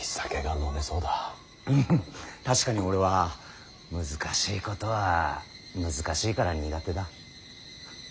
フフッ確かに俺は難しいことは難しいから苦手だ。